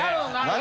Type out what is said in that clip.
何？